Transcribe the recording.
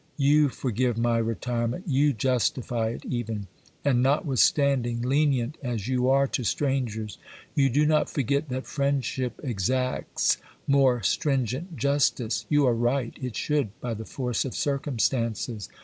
You forgive my retirement, you justify it even ; and notwithstanding, lenient as you are to strangers, you do not forget that friendship exacts more stringent justice. You are right, it should, by the force of circumstances.